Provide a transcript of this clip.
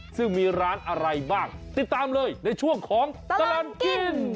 ซึ่งมีร้านอะไรบ้างติดตามเลยในช่วงของตลอดกิน